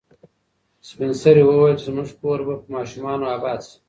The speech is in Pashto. سپین سرې وویل چې زموږ کور به په ماشومانو اباد شي.